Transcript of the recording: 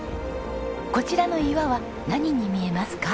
こちらの岩は何に見えますか？